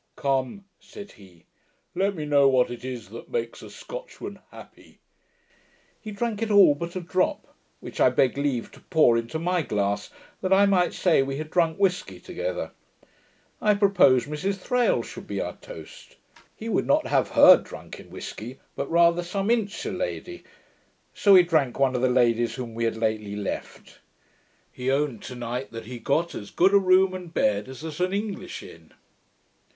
'Come,' said he, 'let me know what it is that makes a Scotchman happy!' He drank it all but a drop, which I begged leave to pour into my glass, that I might say we had drunk whisky together. I proposed Mrs Thrale should be our toast. He would not have HER drunk in whisky, but rather 'some insular lady', so we drank one of the ladies whom we had lately left. He owned tonight, that he got as good a room and bed as at an English inn.